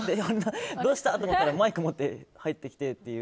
どうしたと思ったらマイク持って入ってきて。